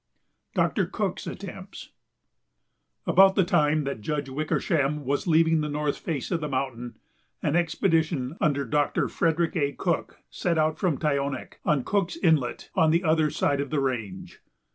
DOCTOR COOK'S ATTEMPTS About the time that Judge Wickersham was leaving the north face of the mountain an expedition under Doctor Frederick A. Cook set out from Tyonek, on Cook's Inlet, on the other side of the range.